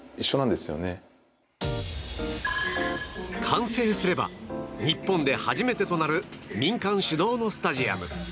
完成すれば日本で初めてとなる民間主導のスタジアム。